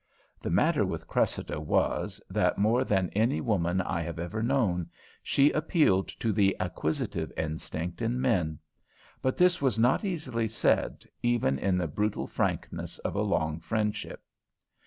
The matter with Cressida was, that more than any woman I have ever known, she appealed to the acquisitive instinct in men; but this was not easily said, even in the brutal frankness of a long friendship.